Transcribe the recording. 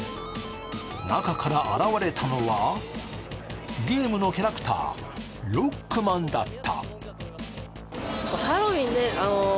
中から現れたのはゲームのキャラクターロックマンだった。